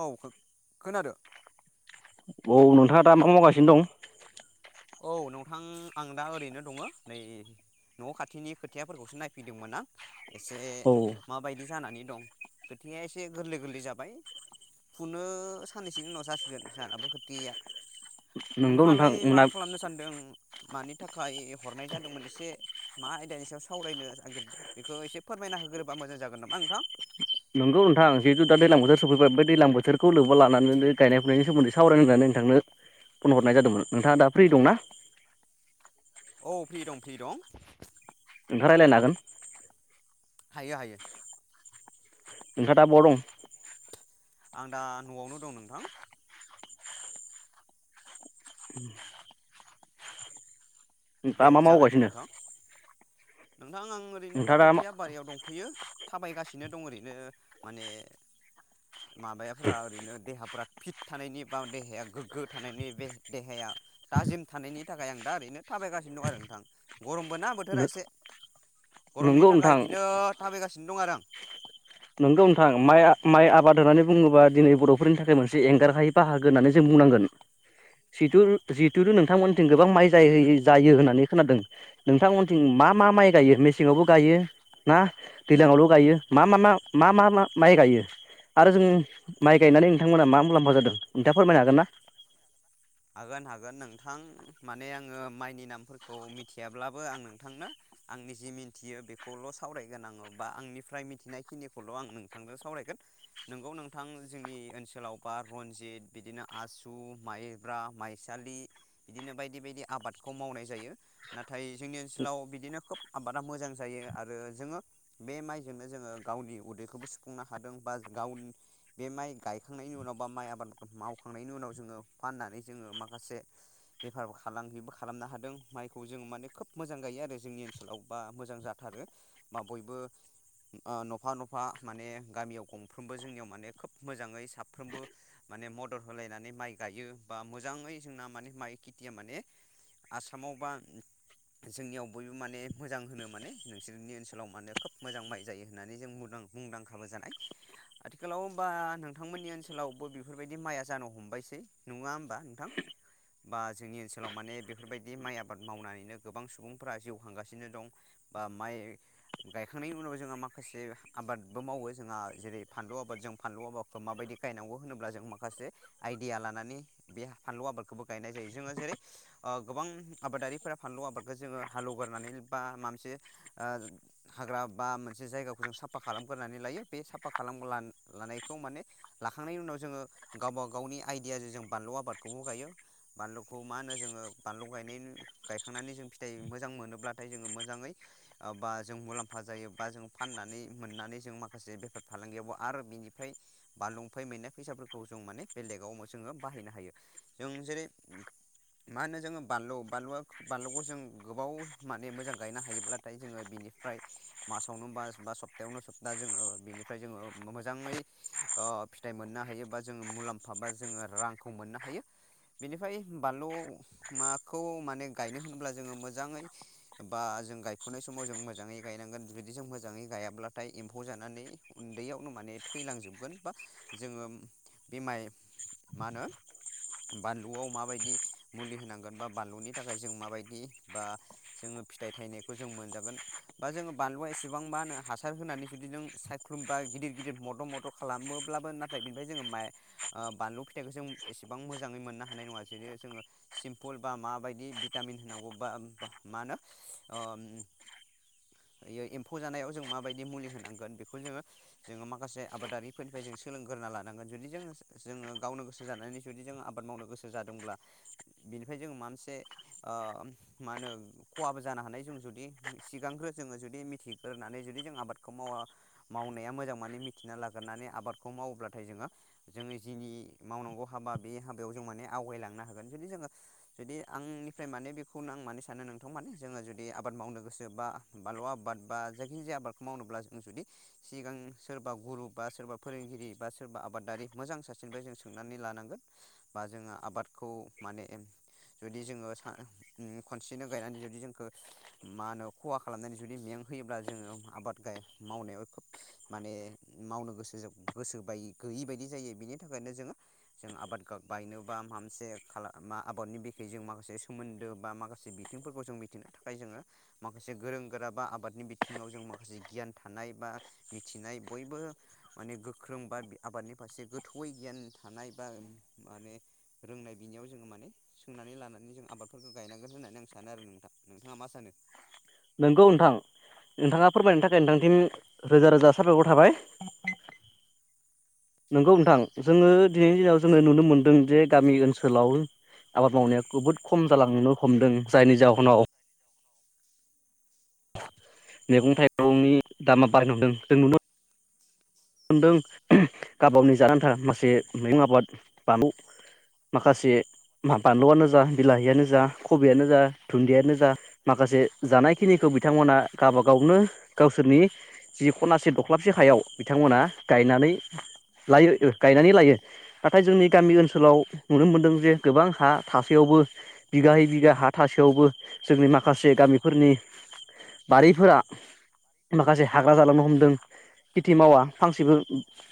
औ खोनादों औ नोंथाङा दा मा मावगासिनो दं? औ नोंथां आं दा ओरैनो दङ नै न' खाथिनि खोथियाफोरखौसो नायफैदोंमोन आं। एसे औ माबायदि दि जानानै दं खोथिया एसे गोरलै गोरलै जाबाय फुनो साननैसोनि उनाव जासिगोन जाहानाबो खोथिया या। नोंगौ नोंथां मोना होनदों मानि थाखाय हरनाय जादोंमोन एसे मा आयदानि सायाव सावरायनो नागिरदों बेखौ एसे फोरमायना होग्रोबा मोजां जागोन नामा? नोंथां, नोंगौ नोंथां, जिहेथु दा दैज्लां बोथोर सफैबाय बे दैलां बोथोरखौ लोब्बा लानानैनो गायनाय फुनायनि सोमोन्दै सावरायनो होननानै नोंथांनो फन हरनाय जादोंमोन। नोंथाङा दा फ्रि दं ना? औ फ्रि दं फ्रि दं नोंथां रायलायनो हागोन हायो हायो, नोंथांआ दा बहा दं? आं दा न'आवनो दं नोंथां दा दे मा जागायदो मावगासिनो? नोंथां नोंथां आं ओरैनो दा नोंथाङा मा खोथिया बारियाव दंफैयो। थाबायगासिनो दं ओरैनो माने माबाया फोरा ओरैनो देहाफ्रा फिट थानायनि बा देहाया गोग्गो थानायनि बे देहाया थाजिम थानायनि थाखाय आं दा ओरैनो, थाबायगासिनो दं आरो नोंथां गरमबो ना बोथोरा नो एसे गरमनि नोंगौ थाखाय नोंथां बिदिनो थाबाय हारसिं दं आरो आं नंगौ नोंथां माइ आ माइ आबाद होननानै बुङोबा दिनै बर'फोरनि थाखाय मोनसे एंगारहायै बाहागो होननानै जों बुंनांगोन, जिथु जिहेथुु नोंथांमोननिथिं गोबां माइ जायो होननानै खोनादों नोंथांमोननिथिं मा मा माइ गायो मेसेंङावबो गायो ना दैज्लांङावल गायो मा मा मा मा मा माइ गायो आरो जोंङो माइ गायनानै नोंथांमोना मा मुलाम्फा जादों नोंथाङा फोरमायनो हागोन ना? हागोन हागोन नोंथां माने आङो माइनि नामफोरखौ मिथियाब्लाबो आं नोंथांनो आंनि जि मिथियो बेखौल' सावरायगोन आङो बा आंनिफ्राय मिथिनायखिनिखौल' आं नोंथांजों सावरायगोन, नोंगौ नोंथां जोंनि ओनसोलाव बा रनजित बिदिनो आसु, माइ, माइब्रा, माइसालि बिदिनो बायदि बायदि आबादखौ मावनाय जायो नाथाय जोंनि ओनसोलाव बिदिनो खोब आबादा मोजां जायो आरो जोङो बे माइजोंनो जोङो गावनि उदैखौबो सुफुंनो हादों बा गाव बे माइ गायखांनायनि उनाव बा माइ आबाद मावखांनायनि उनाव जोङो। फाननानै जोङो माखासे बेफार फालांगिबो खालामनो हादों माइखौ जों माने खोब मोजां गायो आरो जोंनि ओनसोलाव बा मोजां जाथारो बा बयबो ओ नफा नफा माने गामियाव गंफ्रोमबो जोंनियाव माने खोब मोजाङै साफ्रोमबो माने मदद होलायनानै माइ, गायो बा मोजाङै जोंना माने माइ खेथिया माने आसामाव बा जोंनियाव बयबो माने मोजां होनो माने नोंसोरनि ओनसोलाव माने खोब मोजां माइ जायो होननानै जों मुंदां मुंदांखाबो जानाय आथिखालाव बा नोंथांमोननि ओनसोलावबो बेफोरबायदि माइआ जानो हमबायसै, नङा होमबा नोंथां बा जोंनि ओनसोलाव माने बेफोरबायदि माइ आबाद मावनानैनो गोबां सुबुंफोरा जिउ खांगासिनो दं, बा माइ गायखांनायनि उनाव जोंहा माखासे आबादबो मावो जोंहा जेरै फानलु आबाद जों फानलु आबादखौ माबायदि गायनांगौ होनोब्ला जों माखासे आइदिया लाना माने बे फानलु आबदखौबो गायनाय जायो जोङो जेरै गोबां आबादारिफोरा फानलु आबादखौ जोङो हालेवगारनानै बा मा मोनसे हाग्रा बा मोनसे जायगाखौ जों साफा खालामग्रोनानै लायो बे साफा खालाम लानायखौ माने लाखांनायनि उनाव जोङो गावबा गावनि आइ आइदिया जों बानलु आबादखौबो गायो बानलुखौ मा होनो जोङो बानलु गायनाय गायखांनानै जों फिथाइ मोजां मोनोब्लाथाय जोङो मोजाङै बा जों मुलाम्फा जायो बा जों फाननानै मोननानै जों माखासे बेफार फालांगियावबो आरो बिनिफ्राय बानलुफाय मोनाय फैसाफोरखौ जों माने बेलेगाव मै जोङो बाहायनो हायो जों जेरै मा होनो जोङो बानलु बानलुआ बानलुखौ जों गोबाव माने मोजां गायनो हायोब्लाथाय जोङो बेनिफ्राय मासावनो मास बा सप्तायावनो सप्ता जोङो बेनिफ्राय जोङो मोजाङै फिथाइ मोननो हायो बा जोङो मुलाम्फा बा। जोङो रांखौ मोननो हायो बेनिफ्राय बानलु माखौ माने गायनो होनब्ला जोङो मोजाङै बा जों गायफुनाय समाव जों मोजाङै गायनांगोन जुदि जों मोजाङै गायाब्लाथाय एम्फौ जानानै उन्दैयावनो माने थैलांजोबगोन बा जोङो बे माइ मा होनो बानलुआव माबायदि मुलि होनांगोन बा बानलुनि थाखाय जों माबायदि बा जोङो फिथाइ थायनायखौ जों मोनजागोन बा जो बानलुआ एसेबां मा होनो हासार होनानै जुदि जों सायख्लुमबा गिदिर गिदिर मद मद खालामोब्लाबो नाथाय बेनिफ्राय जोङो माय बानलु। फिथाइखौ जों एसेबां मोजाङै मोननो हानाय नङा जुदि जोङो सिमपोल बा माबायदि भिटामिन होनांगौ बा मा होनो बे एम्फौ जानायाव जों माबायदि मुलि होनांगोन बेखौ जोङो जोङो माखासे आबादारिफोरनिफ्राय जों सोलोंगोरोना लानांगोन जुदि जोङो जोङो गावनो गोसो जानानै जुदि जों आबाद मावनो गोसो जादोंब्ला बिनिफ्राय जोङो मा मोनसे ओ मा होनो खहाबो जानो हानाय जों जुदि सिगांग्रो जोङो जुदि मिथिग्रोनानै जुदि जों आबादखौ मावा मावनाया मोजां माने मिथिना लाग्रानै आबादखौ मावोब्लाथाय जोङो जोङो जिनि मावनांगौ हाबा बे हाबायाव जों माने आवगायलांनो हागोन जुदि जोङो जुदि आंनिफ्राय माने बेखौनो आं मान सानो नोंथां माने जोङो जुदि आबाद मावनो गोसो बा बाललु आबाद बा जायखिजाया आबादखौ मावनोब्ला जों जुदि सिगां सोरबा गुरु बा सोरबा फोरोंगिरि बा सोरबा आबादारि मोजां सासेनिफ्राय जों सो सोंनानै लानांगोन बा जोङो आबाद। खौ माने जुदि जोङो सान उम खनसेनो गायनानै जुदि जोंखो मा होनो खहा खालामनानै जुदि मेंहोयोब्ला जोङो आबाद गाय मावनायाव खोब माने मावनो गोसो गोसो बाय गैयि बायदि जायो बेनि थाखायनो जोङो। जों आबाद बायनोबा माबा मोनसे मा खाला आबादनि बिखे जों माखासे सोमोन्दो बा माखासे बिथिंफोरखौ जों मिथिनो थाखाय जोङो माखासे गोरों गोरा बा आबादनि बिथिङाव जों माखासे गियान थानाय बा मिथिनाय बयबो माने गोख्रों बा आबादनि फारसे गोथौयै गियान। थानाय बा माने रोंनाय बिनियाव जोङो माने सोंनानै लानानै जों आबादफोरखौ गायनांगोन होननानै आं सानो, आरो नोंथा नोंथाङा मा सानो? नंगौ नोंथां नोंथाङा फोरमायनो थाखाय नोंथांसिम रोजा रोजा साबायखर थाबाय। नंगौ नोंथां जोङो दिनैनि दिनाव जोङो नुनो मोनदों जे गामि ओनसोलाव आबाद मावनाया जोबोद खम जालांनो हमदों जायनि जाहोनाव। मैगं थाइगंनि दामा बारायनो हमदों जों नुनो दों गावब गावनि जानानै थां माखासे मैगं आबाद बानलु माखासे बानलुआनो जा बिलाहियानो जा खबियानो जा दुन्दियानो जा माखासे जानायखिनिखौ बिथांमोना गावबा गावनो गावसोरनि जि खनासे दख्लाबसे हायाव। बिथांमोना गायनानै लायो गायनानै लायो नाथाय जोंनि गामि ओनसोलाव नुनो मोनदों जे गोबां हा थासेयावबो बिगाहै बिगा हा थासेयावबो जोंनि माखासे गामिफोरनि बारिफोरा माखासे हाग्रा जालांनो हमदों। खिथि मावा फांसेबो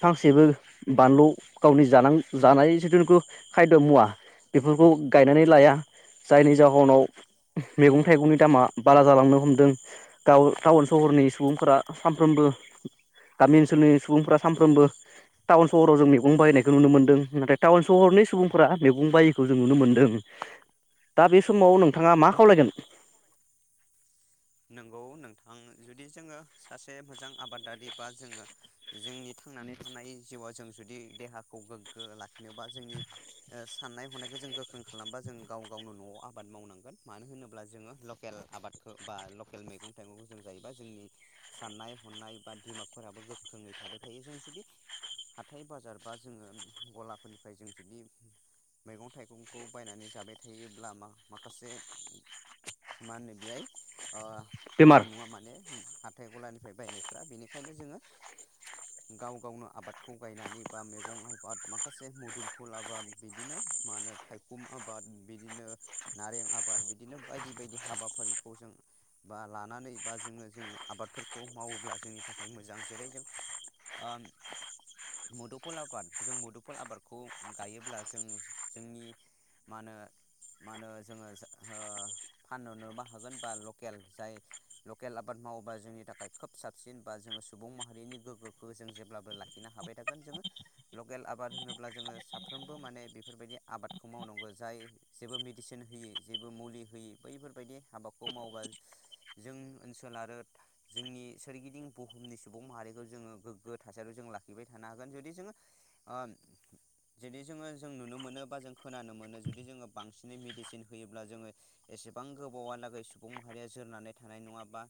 फांसेबो बानलु गावनि जानाय जिथुु खायद मुवा बेफोरखौ गायनानै लाया जायनि जाहोनाव मैगं थाइगंनि दामा बारा जालांनो हमदों गाव। टाउन सहरनि सुबुंफोरा साम साफ्रोमबो। गामि ओनसोलनि सुबुंफोरा सानफ्रोमबो टाउन सहराव जों मैगं बायनायखौ नुनो मोनदों नाथाय टाउन सहरनि सुबुंफोरा मैगं बायैखौ जों नुनो मोनदों, दा बे समाव नोंथाङा मा खावलायगोन? नंगौ नोंथां जुदि जोङो सासे मोजां आबादारि बा जोङो जोंनि थांनानै थानाय जिउआव जों जुदि देहाखौ गोग्गो लाखिनोबा जोंनि साननाय हनायखौ जों गोख्रों खालामबा जों गाव गावनो न'आव आबाद मावनांगोन मानो होनोब्ला जोङो लकेल आबादखौ। बा लकेल मैगं थाइगंखौ जों जायोबा जोंनि साननाय हनाय बा दिमागफोराबो गोख्रोङै थाबाय थायो जों जुदि हाथाइ बाजार बा जोङो गलाफोरनिफ्राय जों जुदि मैगं थाइगंखौ बायनानै जाबाय थायोब्ला मा माखासे मा होनो बेहाय। ओ बेमार मोजां नङा माने। हाथाइ गलानिफ्राय बायनायफ्रा बेनिखायनो जोङो गाव गावनो आबादखौ गायनानै बा मैगं आबाद माखासे मोदुमफुल आबाद बिदिनो मा होनो थायखुम आबाद बिदिनो नारें आबाद बिदिनो बायदि बायदि हाबाफारि। खौ जों बा लानानै बा जोङो जोङो आबादफोरखौ मावोब्ला जोंनि थाखाय मोजां जेरै जों ओ मुदुफुल आबाद जों मुदुफुल आबादखौ गायोब्ला जों जोंनि मा होनो मा होनो जोङो फाननो बा हागोन बा लकेल जाय लकेल आबाद मावोबा जोंनि थाखाय खोब साबसिन बा जोङो सुबुं माहारिनि गोग्गोखौ जों जेब्लाबो लाखिनो हाबाय थागोन जोङो लकेल आबाद होनोब्ला जोङो साफ्रोमबो माने बेफोरबायदि आबादखौ मावनांगौ जाय जेबो मेडिसिन होयै जेबो मुलि होयि बैफोरबायदि। हाबाखौ मावोबा जों ओनसोल आरो जोंनि सोरगिदिं बुहुमनि सुबुं माहारिखौ जोङो गोग्गो थासारियाव जों लाखिबाय थानो हागोन जुदि जोङो ओ जुदि जोङो जों नुनो मोनो बा जों खोनानो मोनो जुदि जोङो बांसिनै मेडिसिन होयोब्ला जोङो एसेबां गोब बावा लागै सुबुं माहारिया जोरनानै थानाय नङा बा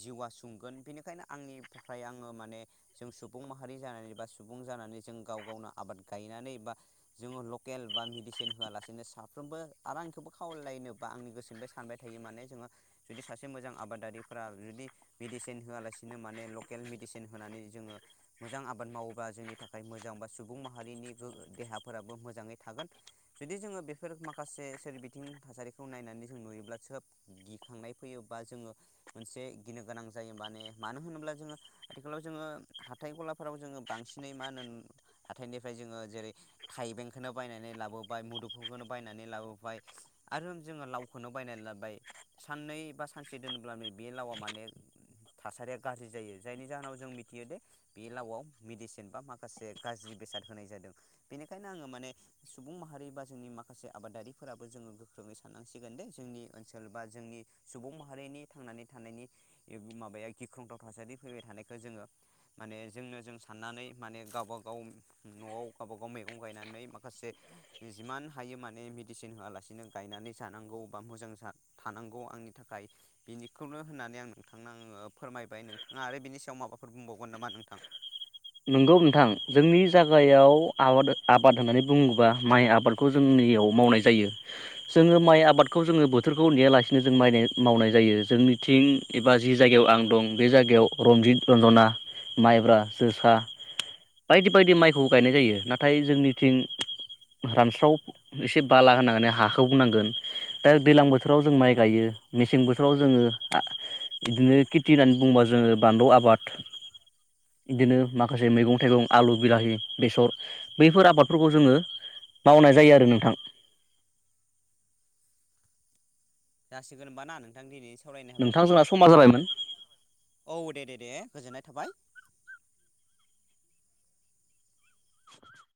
जिउआ सुंगोन बेनिखायनो आंनिफ्राय आङो माने जों सुबुं माहारि जानानै बा सुबुं जानानै जों गाव गावनो आबाद गायनानै बा जोङो लकेल बा मेडिसिन होआलासेनो साफ्रोमबो आरो आंखौबो खावलायलायनो बा आंनि गोसोनिफ्राय सा सानबाय थायो माने जोङो जुदि सासे मोजां आबादारिफोरा जुदि मेदिसिन होआलासिनो माने लकेल मेडिसिन होनानै जोङो मोजां आबाद मावोबा जोंनि थाखाय मोजां बा सुबुं माहारिनि गो देहाफोराबो मोजाङै थागोन। जुदि जोङो बेफोर माखासे सोरबिथिं थासारिखौ नायनानै जों नुयो। [unintelligible] गिखांनाय फैयोबा जोङो मोनसे गिनो गोनां जायो माने मानो होनोब्ला जोङो आथिखालाव जोङो हाथाइ गलाफोराव जोङो बांसिनै मा होनो हाथाइनिफ्राय जोङो जेरै थाइबेंखौनो बायनानै लाबोबाय मुदुफुलखौनो बायनानै लाबोबाय आरो जोङो लावखौनो बायनानै लाबाय साननै बा सानसे दोनोब्लानो बे लावा माने थासारिया गाज्रि जायो जायनि जाहोनाव जों मिथियो दे बे लावआव मेडिसिन बा माखासे गाज्रि बेसाद होनाय जादों बेनिखायनो आङो माने सुबुं माहारि बा जोंनि माखासे आबादारिफोराबो जोङो गोख्रोङै साननांसिगोन दे जोंनि ओनसोल बा जोंनि सुबुं माहारिनि थांनानै थानायनि माबाया गिख्रंथाव थासारि फैबाय थानायखौ जोङो माने जोंनो जों साननानै माने गावबा गाव नआव गाव बागाव मैगं गायनानै माखासे जिमान हायो माने मेडिसिन होआलासिनो गायनानै जानांगौ। बा मोजां जा थानांगौ आंनि थाखाय बेनिखौनो होननानै आं नोंथां आङो फोरमायबाय नोंथाङा आरो बेनि सायाव माबाफोर बुंबावगोन नामा नोंथां। नंगौ नोंथां जोंनि जागायाव आबाद आबाद होननानै बुङोबा माइ आबादखौ जोंनियाव मावनाय जायो जोङो माइ आबादखौ जोङो बोथोरखौ नेयालासिनो जों माइ मावनाय जायो जोंनिथिं एबा जि जायगायाव आं दं बे जायगायाव रन्जित रन्जना माइब्रा जोसा बायदि बायदि माइखौबो गायनाय जायो नाथाय जोंनिथिं रानस्राव एसे बाला होननानै हाखौ बुंनांगोन दा दैज्लां बोथोराव जों माइ गायो मेसें बोथोराव जोङो बिदिनो खेथि होननानै बुंङोबा जोङो बानलु आबाद बिदिनो माखासे मैगं थाइगं आलु बिलाहि बेसर बैफोर आबादफोरखौ जोङो मावनाय जायो आरो नोंथां। जासिगोन होनबा ना नोंथां दिनै नोंथां जोंना समा जाबायमोन। औ दे दे दे गोजोननाय थाबाय।